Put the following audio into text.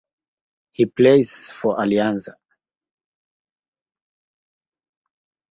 He plays for Alianza.